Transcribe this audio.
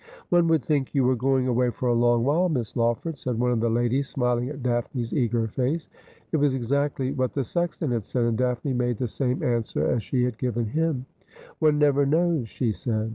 One would think you were going away for a long while. Miss Lawford,' said one of the ladies, smiling at Daphne's eager face. It was exactly what the sexton had said, and Daphne made the same answer as she had given him. ' One never knows,' she said.